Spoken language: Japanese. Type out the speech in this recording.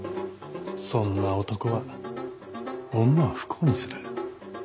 そんな男は女を不幸にする。